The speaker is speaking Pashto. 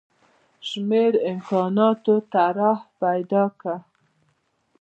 شمېر امکاناتو طرح پیدا کړه.